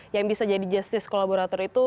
yang bisa jadi justice kolaborator itu